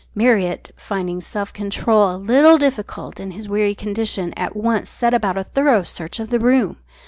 Marriott, finding self control a little difficult in his weary condition, at once set about a thorough search of the room.